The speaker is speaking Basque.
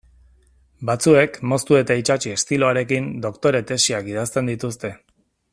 Batzuek moztu eta itsatsi estiloarekin doktore tesiak idazten dituzte.